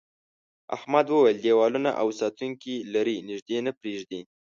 احمد وویل دیوالونه او ساتونکي لري نږدې نه پرېږدي.